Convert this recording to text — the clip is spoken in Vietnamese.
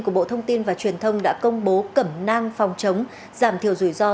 của bộ thông tin và truyền thông đã công bố cẩm nang phòng chống giảm thiểu rủi ro